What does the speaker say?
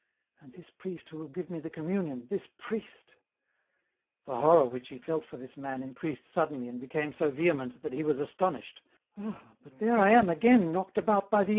And this priest who will give me the com munion, this priest !" The horror which he felt for this man increased suddenly and became so vehement that he was astonished. " Ah, but there I am again knocked about by the.